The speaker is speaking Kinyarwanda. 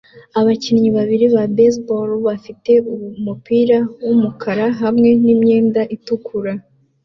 Abakinnyi babiri ba baseball bafite imipira yumukara hamwe n imyenda itukura